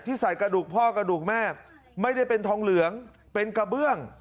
ใส่กระดูกพ่อกระดูกแม่ไม่ได้เป็นทองเหลืองเป็นกระเบื้อง